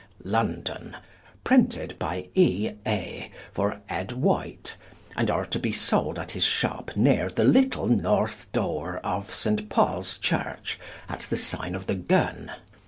London Printed by E. A. for Ed. White, and are to be solde at his Shop neere the little North doore of Saint Paules Church at the Signe of the Gun.